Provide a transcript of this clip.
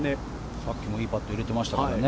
さっきもいいパット入れてましたからね。